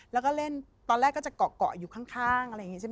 ลูดเสร็จก็จมลงไปเลยค่ะจมจม